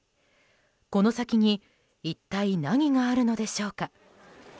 この先に一体何があるのでしょうか。